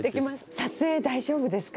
撮影大丈夫ですか？